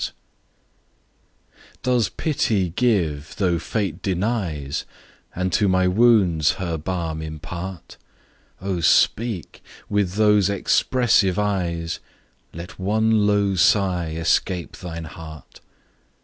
SONG. DOES Pity give, though Fate denies, And to my wounds her balm impart? O speak with those expressive eyes! Let one low sigh escape thine heart.